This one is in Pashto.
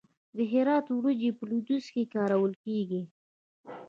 د هرات وریجې په لویدیځ کې کارول کیږي.